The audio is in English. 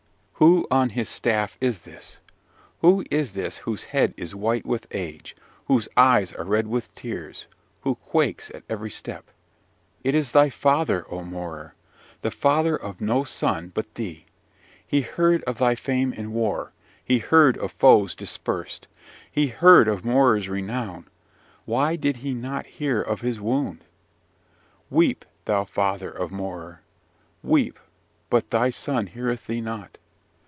"Who on his staff is this? Who is this whose head is white with age, whose eyes are red with tears, who quakes at every step? It is thy father, O Morar! the father of no son but thee. He heard of thy fame in war, he heard of foes dispersed. He heard of Morar's renown, why did he not hear of his wound? Weep, thou father of Morar! Weep, but thy son heareth thee not.